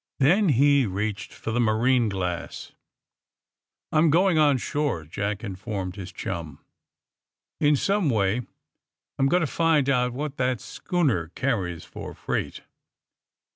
Then he reached for the marine glass. 76 THE. SUBMAKINE BOYS a I'm going on shore/' Jack informed his chum. ^^In some way I'm going to find out what that schooner carries for freight."